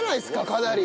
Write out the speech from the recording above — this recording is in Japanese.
かなり。